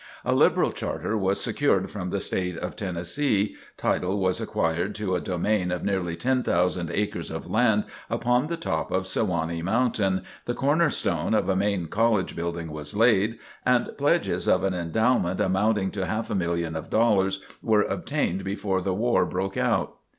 A liberal charter was secured from the State of Tennessee; title was acquired to a domain of nearly ten thousand acres of land upon the top of Sewanee Mountain; the corner stone of a main college building was laid; and pledges of an endowment amounting to half a million of dollars were obtained before the war broke out.